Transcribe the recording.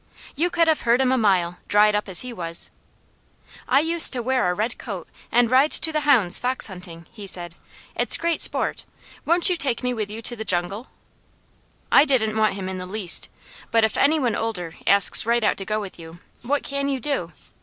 You could have heard him a mile, dried up as he was. "I used to wear a red coat and ride to the hounds fox hunting," he said. "It's great sport. Won't you take me with you to the jungle?" I didn't want him in the least, but if any one older asks right out to go with you, what can you do?